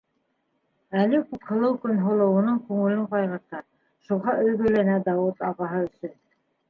Әле Күкһылыу Көнһылыуының күңелен ҡайғырта, шуға өҙгөләнә Дауыт ағаһы өсөн.